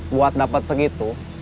buat dapat segitu